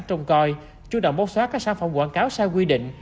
trong coi chú động bóc xóa các sản phẩm quảng cáo sai quy định